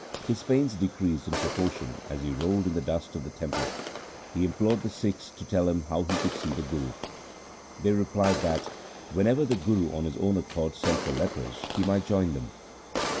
His pains decreased in proportion as he rolled in the dust of the temple. He implored the Sikhs to tell him how he could see the Guru. They replied that, whenever the Guru of his own accord sent for lepers, he might join them.